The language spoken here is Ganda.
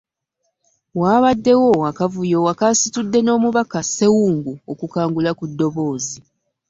Waabaddewo akavuyo akaasitudde n'omubaka Ssewungu okukangula ku ddoboozi.